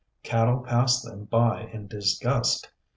Cattle pass them by in disgust.